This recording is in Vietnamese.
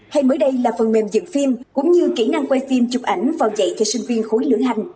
hay mới đây là phần mềm dựng phim cũng như kỹ năng quay phim chụp ảnh vào dạy cho sinh viên khối lưỡng hành